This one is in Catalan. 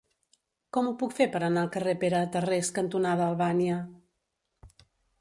Com ho puc fer per anar al carrer Pere Tarrés cantonada Albània?